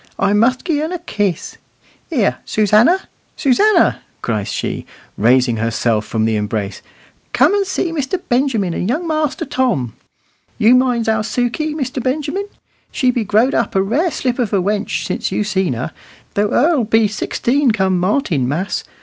I must gi' un a kiss. Here, Susannah, Susannah!" cries she, raising herself from the embrace, "come and see Mr. Benjamin and young Master Tom. You minds our Sukey, Mr. Benjamin; she be growed a rare slip of a wench since you seen her, though her'll be sixteen come Martinmas.